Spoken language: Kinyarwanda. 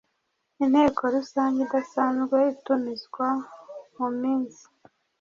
Inteko Rusange idasanzwe itumizwa mu minsi